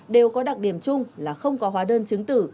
đều có đặc điểm chung là không có hóa đơn chứng tử